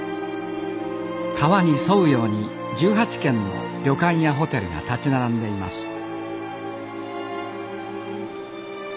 川に沿うように１８軒の旅館やホテルが立ち並んでいます